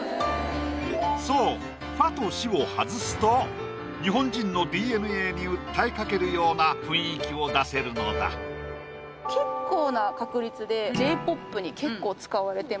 そうファとシを外すと日本人のＤＮＡに訴えかけるような雰囲気を出せるのだ「恋」